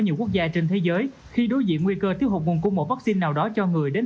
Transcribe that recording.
nhiều quốc gia trên thế giới khi đối diện nguy cơ thiếu hụt nguồn cung mẫu vaccine nào đó cho người đến